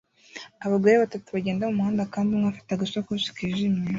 Abagore batatu bagenda mumuhanda kandi umwe afite agasakoshi kijimye